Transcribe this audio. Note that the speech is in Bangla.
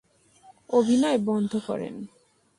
অভিনয় বন্ধ করেন।